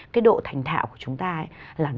cái độ thành thạo của chúng ta